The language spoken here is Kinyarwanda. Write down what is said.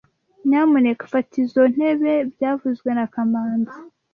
Nyamuneka fata izoi ntebe byavuzwe na kamanzi